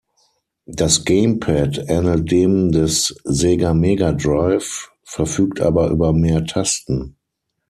Das Gamepad ähnelt dem des Sega Mega Drive, verfügt aber über mehr Tasten.